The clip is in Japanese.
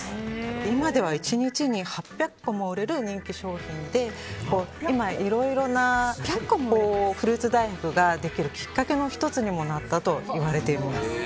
今では１日に８００個も売れる人気商品で今、いろいろなフルーツ大福ができるきっかけの１つにもなったと言われているんです。